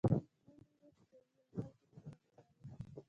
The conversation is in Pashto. هره ورځ کوي له خلکو څخه غلاوي